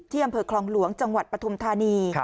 เที่ยมเผอร์คลองหลวงจังหวัดปฐมธานี